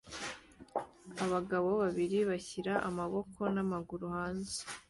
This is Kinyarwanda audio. Abagabo babiri bashyira amaboko n'amaguru hanze